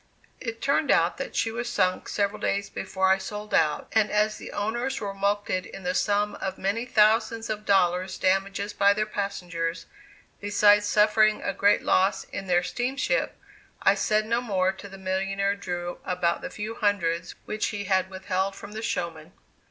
It turned out that she was sunk several days before I sold out, and as the owners were mulcted in the sum of many thousands of dollars damages by their passengers, besides suffering a great loss in their steamship, I said no more to the millionnaire Drew about the few hundreds which he had withheld from the showman.